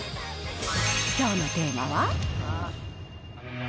きょうのテーマは。